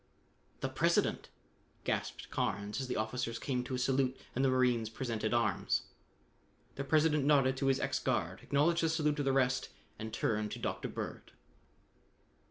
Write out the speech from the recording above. "The President!" gasped Carnes as the officers came to a salute and the marines presented arms. The President nodded to his ex guard, acknowledged the salute of the rest and turned to Dr. Bird.